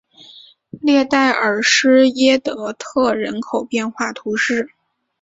列代尔施耶德特人口变化图示